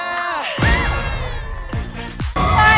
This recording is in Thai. สวัสดีค่ะ